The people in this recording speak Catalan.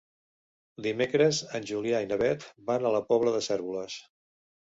Dimecres en Julià i na Beth van a la Pobla de Cérvoles.